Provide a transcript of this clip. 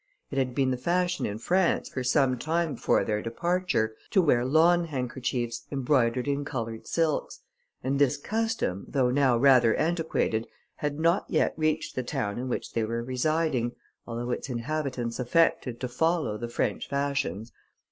It had been the fashion in France, for some time before their departure, to wear lawn handkerchiefs, embroidered in coloured silks; and this custom, though now rather antiquated, had not yet reached the town in which they were residing, although its inhabitants affected to follow the French fashions.